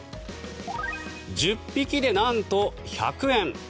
１０匹でなんと１００円。